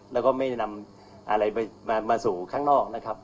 แล้วก็ไม่ได้นำอะไรมาสู่ข้างนอกนะครับ